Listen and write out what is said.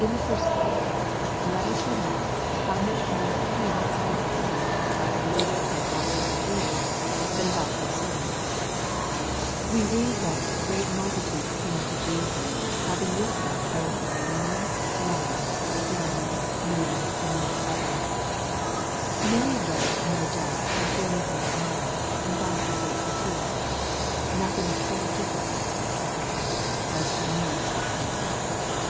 In the first place, let us remark, how mtich more pains people take about the rdief of their bodily diseases, tham 184 EXPOSITORY THOUGHTS. about their souls. We read, that ^^ great multitudes came to Jesus, haviug with them those that were lame, blind, dumb, maimed, and many others/' Many of them, no doubt, had journeyed many miles, and gone through great fatigues. Nothing is so difficult and troublesome, as to move sick people.